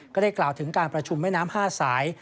ก็ได้กล่าวถึงการประชุมแม่น้ำ๕สาย